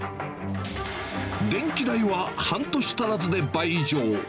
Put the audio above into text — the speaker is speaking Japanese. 電気代は半年足らずで倍以上。